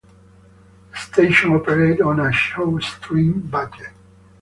The station operated on a shoestring budget.